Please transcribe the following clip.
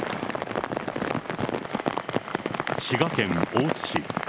滋賀県大津市。